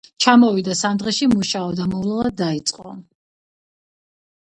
ჩამოვიდა და სამ დღეში მუშაობა მომვლელად დაიწყო.